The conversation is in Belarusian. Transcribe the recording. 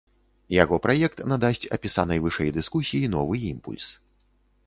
Яго праект надасць апісанай вышэй дыскусіі новы імпульс.